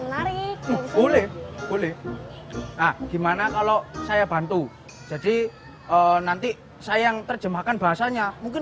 lari boleh boleh nah gimana kalau saya bantu jadi nanti saya yang terjemahkan bahasanya mungkin